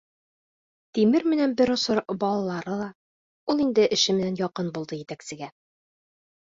Тимер менән бер осор балалары ла, ул инде эше менән яҡын булды етәксегә.